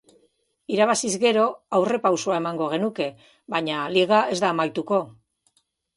Irabaziz gero aurrerapausoa emango genuke, baina liga ez da amaituko.